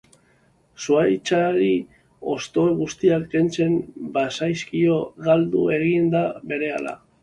Zuhaitzari hosto guztiak kentzen bazaizkio, galdu egingo da berehala.